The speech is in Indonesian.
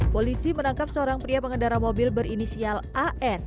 polisi menangkap seorang pria pengendara mobil berinisial an